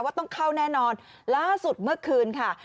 ต้องเข้าแน่นอนล่าสุดเมื่อคืนค่ะ